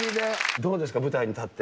どうですか、舞台に立って。